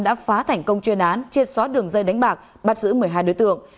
đã phá thành công chuyên án triệt xóa đường dây đánh bạc bắt giữ một mươi hai đối tượng